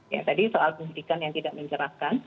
ya tadi soal pendidikan yang tidak mencerahkan